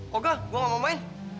koga gue gak mau main